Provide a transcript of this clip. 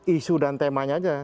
isu dan temanya aja